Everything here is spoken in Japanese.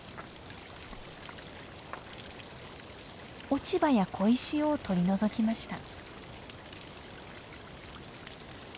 落ち葉や小石を取り除きました。